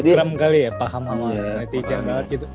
bisa krem kali ya paham sama netizen banget gitu